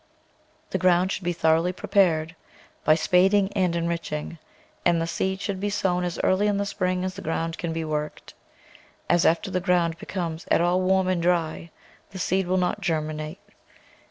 The ground should be thoroughly prepared by spading and enriching, and the seed should be sown as early in the spring as the ground can be worked, as after the ground becomes at all warm or dry, the seed will not germinate.